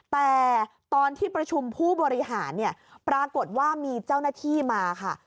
แต่ตอนที่ประชุมผู้บริหารเนี่ยปรากฏว่ามีเจ้าหน้าที่มาค่ะ